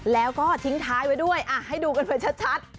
แล้วก็ทิ้งท้ายไว้ด้วยให้ดูกันไปชัด